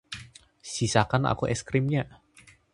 Sisakan aku es krimnya.